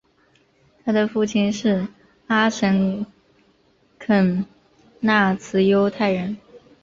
他的父亲是阿什肯纳兹犹太人。